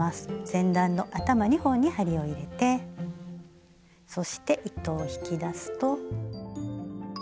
前段の頭２本に針を入れてそして糸を引き出すと。